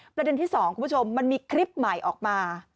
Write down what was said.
ประเด็นที่๒คุณผู้ชมมันมีคลิปใหม่ออกมา